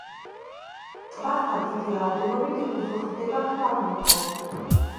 ტბასთან დიდი რაოდენობით გვხვდება ფლამინგო.